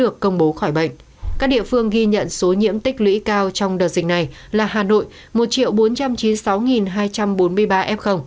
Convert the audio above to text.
các địa phương ghi nhận số nhiễm tích lũy cao trong đợt dịch này là hà nội một bốn trăm chín mươi sáu hai trăm bốn mươi ba f